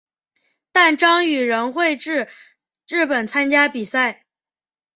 但张栩仍会至日本参加比赛。